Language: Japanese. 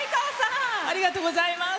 ありがとうございます。